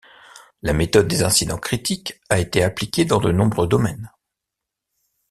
La méthode des incidents critiques a été appliquée dans de nombreux domaines.